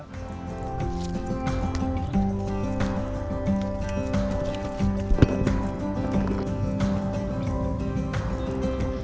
ketua ketua ketua